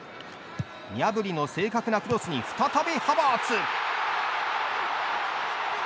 ニャブリの正確なクロスに再びハバーツ。